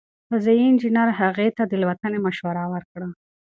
فضايي انجنیر هغې ته د الوتنې مشوره ورکړه.